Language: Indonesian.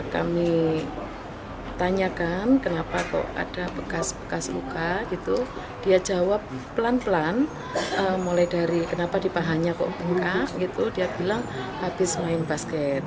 kami tanyakan kenapa kok ada bekas bekas luka gitu dia jawab pelan pelan mulai dari kenapa di pahanya kok bengkak gitu dia bilang habis main basket